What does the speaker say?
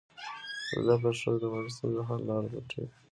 زده کړه ښځه د مالي ستونزو حل لاره لټوي.